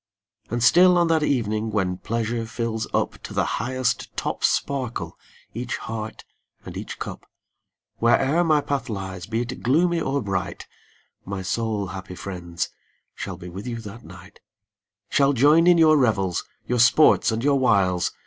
And still on that evening, when pleasure fills up ID To the highest top sparkle each heart and each cup. Where'er my path lies, be it gloomy or bright, My soul, happy friends, shall be with you that night ; Shall join in your revels, your sports and your wiles.